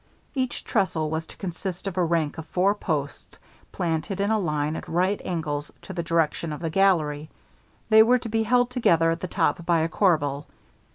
Each trestle was to consist of a rank of four posts, planted in a line at right angles to the direction of the gallery; they were to be held together at the top by a corbel.